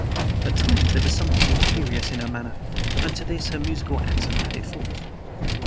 (At times there was something imperious in her manner; and to this her musical accent added force.)